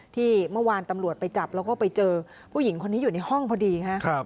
ที่เมื่อวานตำรวจไปจับแล้วก็ไปเจอผู้หญิงคนนี้อยู่ในห้องพอดีครับ